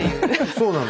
そうなの。